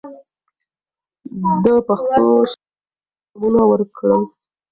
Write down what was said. ده پښتو شعر ته نوي فورمونه ورکړل